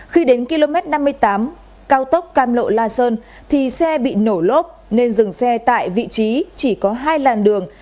khi đến km năm mươi tám cao tốc cam lộ la sơn thì xe bị nổ lốp nên dừng xe tại vị trí chỉ có hai làn đường